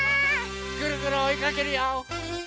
ぐるぐるおいかけるよ！